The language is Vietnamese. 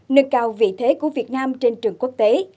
nâng cao vị thế của việt nam trên trường quốc tế